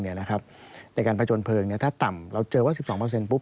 ในการผจญเพลิงถ้าต่ำเราเจอว่า๑๒ปุ๊